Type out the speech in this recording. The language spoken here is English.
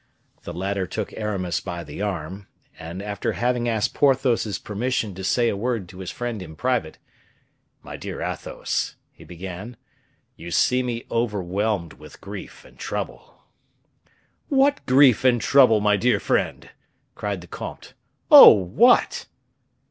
The latter took Athos by the arm, and, after having asked Porthos's permission to say a word to his friend in private, "My dear Athos," he began, "you see me overwhelmed with grief and trouble." "With grief and trouble, my dear friend?" cried the comte; "oh, what?"